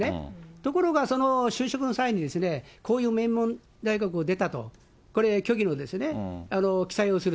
ところがこの就職の際に、こういう名門大学を出たと。これ、虚偽の記載をする。